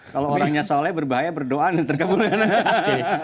kalau orangnya soleh berbahaya berdoa nanti